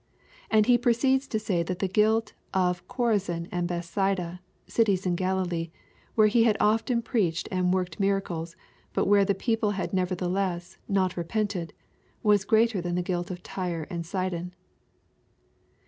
And He proceeds to say that the guilt of Chorazin and Bethsaida, cities in Galilee, where He had often preached and work ed miracles, but where the people had nevertheless not repented, was greater than the guilt of Tyre and Sidon.